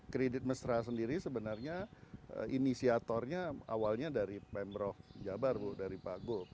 kredit mesra sendiri sebenarnya inisiatornya awalnya dari pemprov jabar bu dari pak gul